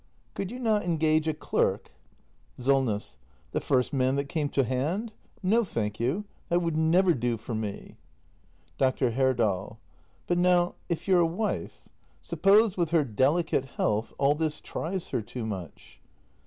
Could you not engage a clerk ? SOLNESS. The first man that came to hand ? No, thank you — that would never do for me. Dr. Herdal. But now, if your wife ? Suppose, with her deli cate health, all this tries her too much